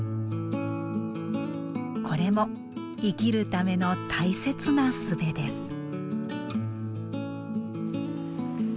これも生きるための大切な術です。